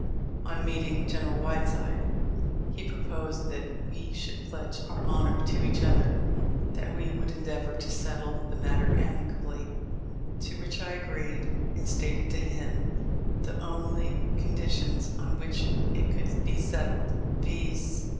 On meeting General Whiteside, he proposed that we should pledge our honor to each other that we would endeavor to settle the matter amicably ; to which I agreed, and stated to him the only conditions on which it could be settled; viz.